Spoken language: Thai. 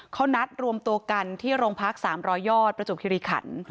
เขานัดรวมตัวกันที่โรงพัก๓๐๐ยอดประจวบคิริขัน